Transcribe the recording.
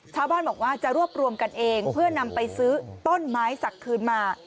ชาวบ้านบอกว่าจะรวบรวมกันเองเพื่อนำไปซื้อต้นไม้สักคืนมา